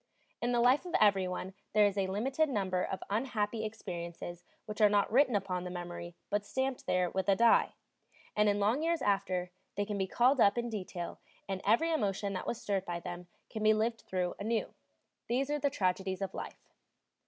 In the life of everyone there is a limited number of unhappy experiences which are not written upon the memory, but stamped there with a die; and in long years after, they can be called up in detail, and every emotion that was stirred by them can be lived through anew; these are the tragedies of life.